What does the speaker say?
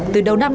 từ đầu năm đêm